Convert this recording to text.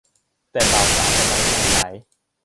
แต่บ่าวสาวสมัยใหม่หลาย